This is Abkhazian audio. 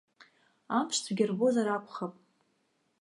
Амшцәгьа рбозар акәхап.